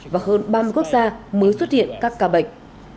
và hơn ba mươi quốc gia mới xuất hiện các ca bệnh